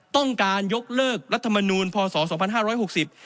ต้องการยกเลิกรัฐมนูญพศ๒๕๖๐